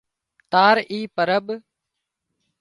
تار اي پرٻ